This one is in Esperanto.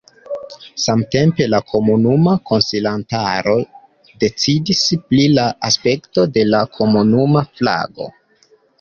Samtempe la komunuma konsilantaro decidis pri la aspekto de la komunuma flago.